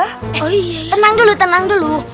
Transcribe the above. eh tenang dulu tenang dulu